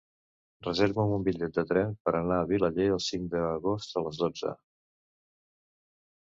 Reserva'm un bitllet de tren per anar a Vilaller el cinc d'agost a les dotze.